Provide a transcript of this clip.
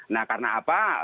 nah karena apa